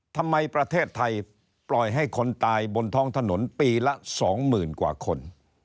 ประเทศไทยปล่อยให้คนตายบนท้องถนนปีละ๒๐๐๐กว่าคน